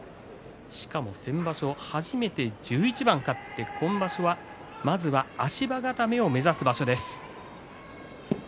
しかも先場所は初めて１１番勝って、今場所はまずは足場固めを目指す場所です。